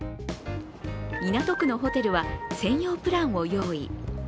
港区のホテルは専用プランを用意。